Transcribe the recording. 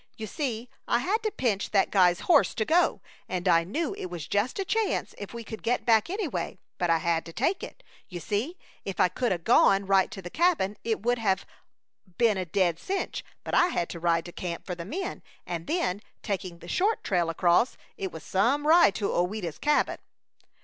You see, I had to pinch that guy's horse to go, and I knew it was just a chance if we could get back, anyway; but I had to take it. You see, if I could 'a' gone right to the cabin it would have been a dead cinch, but I had to ride to camp for the men, and then, taking the short trail across, it was some ride to Ouida's Cabin!"